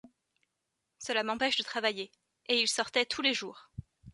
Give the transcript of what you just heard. Cela m’empêche de travailler. —— Et il sortait tous les jours.